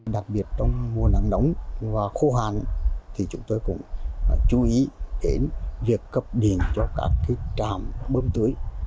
đặc biệt trong mùa nắng nóng và khô hàn thì chúng tôi cũng chú ý đến việc cấp điện cho các trạm bơm tưới